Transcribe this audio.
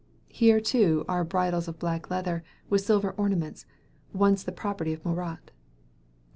Here, too, are bridles of black leather, with silver ornaments, once the property of Murat.